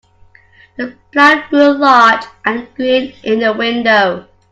The plant grew large and green in the window.